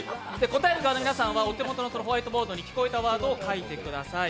答える側の皆さんはお手元のホワイトボードに聞こえたワードを書いてください。